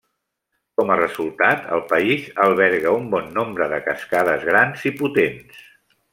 Com a resultat, el país alberga un bon nombre de cascades grans i potents.